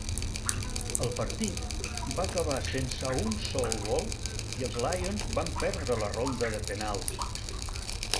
El partit va acabar sense un sol gol i els Lions van perdre a la ronda de penals.